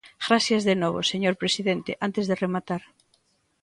Grazas de novo, señor presidente, antes de rematar.